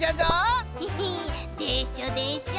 ヘヘッでしょでしょ？